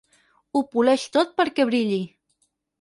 Ho poleix tot perquè brilli.